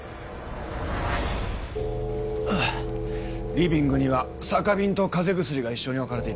リビングには酒瓶と風邪薬が一緒に置かれていた。